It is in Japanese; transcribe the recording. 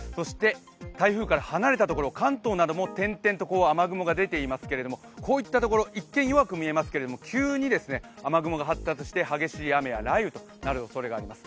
台風から離れたところ、関東なども点々と雨雲が出ていますけれども、こういったところ、一見弱く見えますけども、急に雨雲が発達して激しい雷雨となるところがあります。